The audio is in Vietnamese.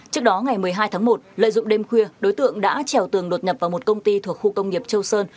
trước đó ngày một mươi hai tháng một lợi dụng đêm khuya đối tượng đã trèo tường đột nhập vào một công ty thuộc khu công nghiệp châu sơn